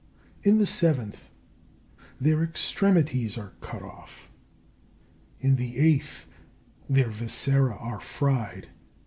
In the seventh, their extremities are cut off. In the eighth, their viscera are fried.